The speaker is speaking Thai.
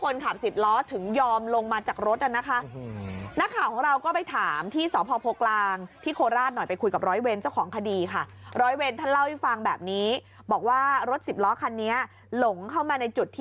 แล้วเห็นมั้ยได้ยินเสียงอะไรที่กระทบกระจก